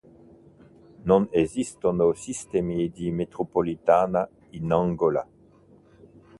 Non esistono sistemi di metropolitana in Angola.